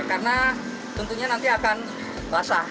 karena tentunya nanti akan basah